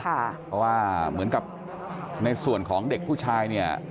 เพราะว่าเหมือนกับในส่วนของเด็กผู้ชายเนี่ย